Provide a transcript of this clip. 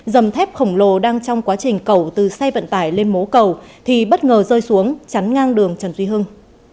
dầm thép khổng lồ đang trong quá trình cầu từ xe vận tải lên mố cầu thì bất ngờ rơi xuống chắn ngang đường trần duy hưng